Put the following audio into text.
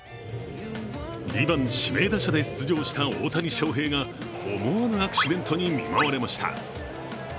２番・指名打者で出場した大谷翔平が思わぬアクシデントに見舞われました。